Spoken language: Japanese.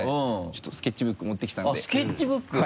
ちょっとスケッチブック持ってきたのでスケッチブック？